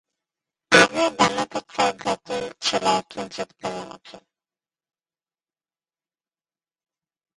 আগে ব্রহ্মপুত্রের গতি ছিল কিঞ্চিৎ পূর্বমুখী।